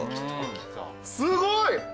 すごい！